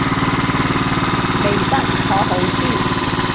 未得，坐好先